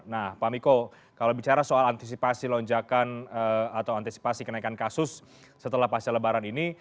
nah pak miko kalau bicara soal antisipasi lonjakan atau antisipasi kenaikan kasus setelah pasca lebaran ini